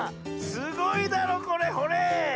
すごいだろこれほれ！